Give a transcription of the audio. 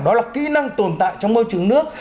đó là kỹ năng tồn tại trong môi trường nước